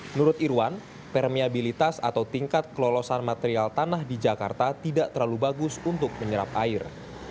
menurut irwan peremiabilitas atau tingkat kelolosan material tanah di jakarta tidak terlalu bagus untuk menyerap air